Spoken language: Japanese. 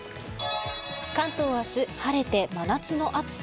関東、明日晴れて真夏の暑さ。